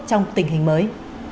trong tình hình mới